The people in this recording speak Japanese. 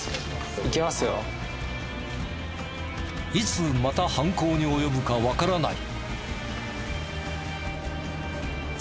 いつまた犯行に及ぶかわからない。